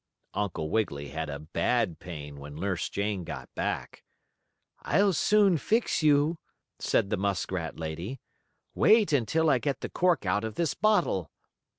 Uncle Wiggily had a bad pain when Nurse Jane got back. "I'll soon fix you," said the muskrat lady. "Wait until I get the cork out of this bottle."